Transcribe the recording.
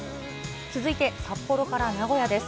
続いて札幌から名古屋です。